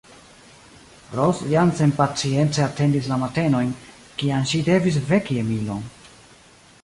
Ros jam senpacience atendis la matenojn, kiam ŝi devis veki Emilon.